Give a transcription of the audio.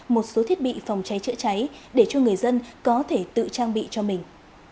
một số thiết bị phòng cháy chữa cháy để cho người dân có thể tự trang bị cho mình